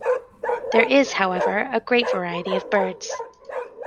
There is however, a great variety of birds.